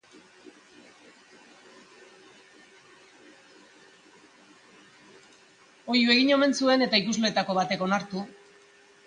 Oihu egin omen zuen eta ikusleetako batek onartu.